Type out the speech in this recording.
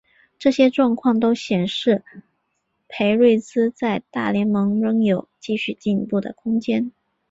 这些状况都显示裴瑞兹在大联盟仍有继续进步的空间。